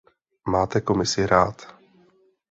Máte Komisi rád.